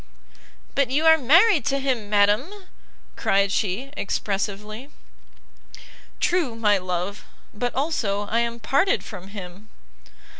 "But you are married to him, madam!" cried she, expressively. "True, my love; but, also, I am parted from him!"